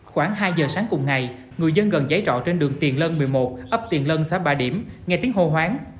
khoảng hai giờ sáng cùng ngày người dân gần giấy trọ trên đường tiền lân một mươi một ấp tiền lân xã ba điểm nghe tiếng hô hoáng